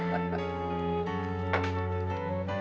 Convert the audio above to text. eh apa itu